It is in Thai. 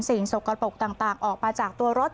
สกปรกต่างออกมาจากตัวรถ